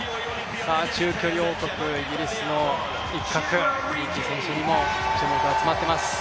中距離王国イギリスの一角、リーキー選手にも注目が集まっています。